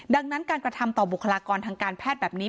ดังนั้นการกระทำต่อบุคลากรทางการแพทย์แบบนี้